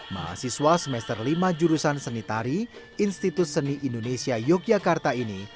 mahasiswa semester lima jurusan seni tari institut seni indonesia yogyakarta ini